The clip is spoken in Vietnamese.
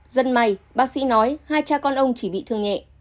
rất may bác sĩ nói hai cha con ông chỉ bị thương nhẹ